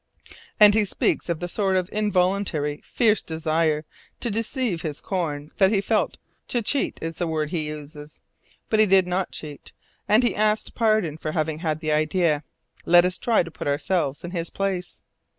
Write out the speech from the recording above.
And he speaks of the sort of involuntary fierce desire to deceive his companions that he felt "to cheat" is the word he uses but he did not "cheat," and he asks pardon for having had the idea! Let us try to put ourselves in his place!